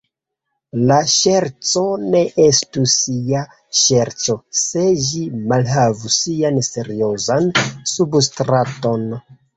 La ŝerco ne estus ja ŝerco, se ĝi malhavus sian seriozan substraton.